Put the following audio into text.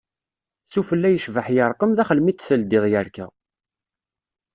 S ufella yecbaḥ yerqem, daxel mi d-teldiḍ yerka.